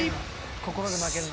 心で負けるな。